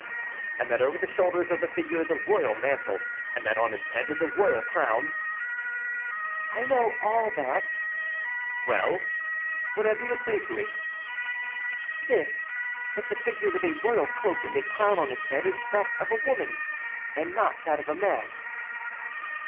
"And that over the shoulders of the figure is a royal mantle, and that on its head is a royal crown?" "I know all that." "Well! what have you to say to it?" "This: that the figure with a royal cloak and a crown on its head is that of a woman, and not that of a man."